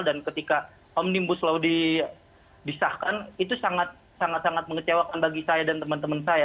dan ketika omnibus law disahkan itu sangat mengecewakan bagi saya dan teman teman saya